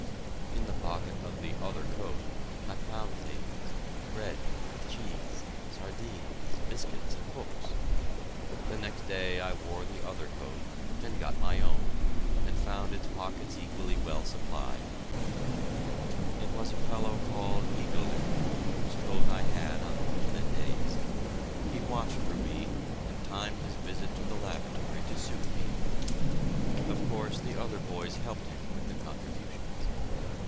In the pocket of the "other coat" I found things bread, cheese, sardines, biscuits, and books. The next day I wore the other coat, and got my own, and found its pockets equally well supplied. It was a fellow called Iguellden, whose coat I had on alternate days. He watched for me, and timed his visit to the lavatory to suit me. Of course, the other boys helped him with the contributions.